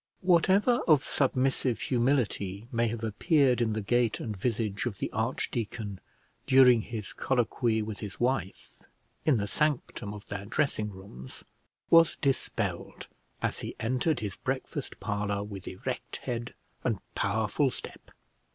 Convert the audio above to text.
Whatever of submissive humility may have appeared in the gait and visage of the archdeacon during his colloquy with his wife in the sanctum of their dressing rooms was dispelled as he entered his breakfast parlour with erect head and powerful step.